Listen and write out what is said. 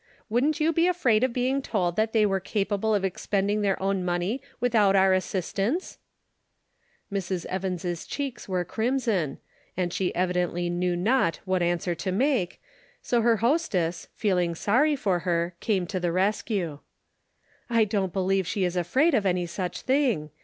Wouldn't you be afraid of being told that they were capable of expending their own mone}' without our assistance ?" Mrs. Evans' cheeks were crimson, and she evidently knew not what answer to make, so her hostess, feeling sorry for her came to the rescue. "I don't believe she is afraid of any such thing.